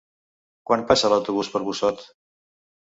Quan passa l'autobús per Busot?